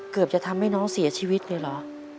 เกือบจะทำให้น้องเสียชีวิตเลยเหรอ